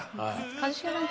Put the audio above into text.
一茂さん